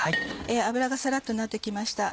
油がさらっとなって来ました。